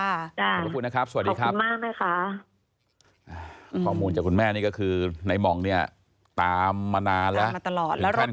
ขอบคุณนะครับสวัสดีครับขอบคุณมากนะครับขอบคุณนะครับสวัสดีครับ